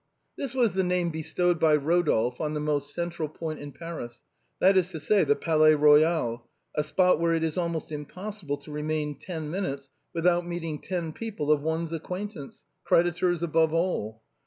This was the name bestowed by Rodolphe on the most central point in Paris, that is to say, the Palais Eoyal; a spot where it is almost impossible to remain ten minutes without meeting ten people of one's acquaintance, credi tors above all.